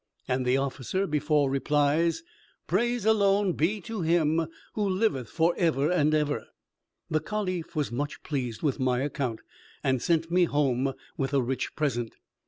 And the officer before replies, 'Praise alone be to Him who liveth for ever and ever.'" The caliph was much pleased with my account, and sent me home with a rich present.